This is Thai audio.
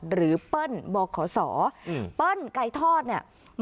หรือเปิ้ลบอกขอสออืมเปิ้ลไก่ทอดเนี้ย